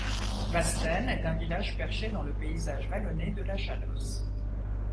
Bastennes est un village perché dans le paysage vallonné de la Chalosse.